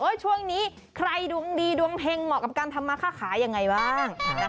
ช่วงนี้ใครดวงดีดวงเฮงเหมาะกับการทำมาค่าขายยังไงบ้าง